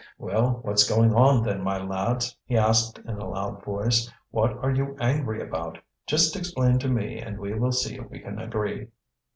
"Well, what's going on then, my lads?" he asked in a loud voice. "What are you angry about? Just explain to me and we will see if we can agree."